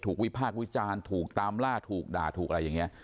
วิพากษ์วิจารณ์ถูกตามล่าถูกด่าถูกอะไรอย่างนี้